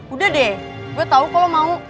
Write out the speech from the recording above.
udah deh gue tau kalau mau